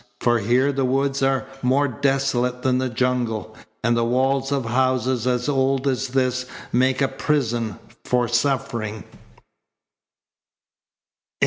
For here the woods are more desolate than the jungle, and the walls of houses as old as this make a prison for suffering."